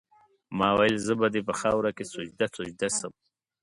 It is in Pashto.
ما ویل زه به دي په خاوره کي سجده سجده سم